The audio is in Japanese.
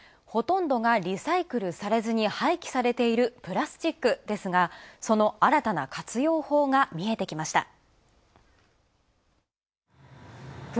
ほとんどがリサイクルされずに廃棄されているプラスチックですがその新たな活用法が見えてきました。